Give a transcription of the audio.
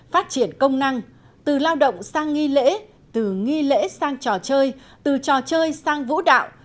phát triển công năng từ lao động sang nghi lễ từ nghi lễ sang trò chơi từ trò chơi sang vũ đạo